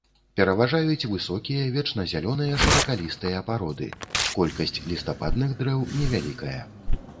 Пераважаюць высокія вечназялёныя шыракалістыя пароды, колькасць лістападных дрэў невялікая.